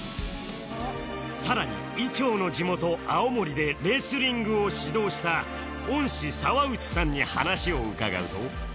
さらに伊調の地元青森でレスリングを指導した恩師澤内さんに話を伺うと